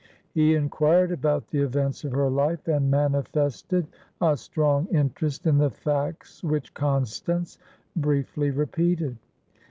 He inquired about the events of her life, and manifested a strong interest in the facts which Constance briefly repeated.